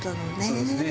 そうですね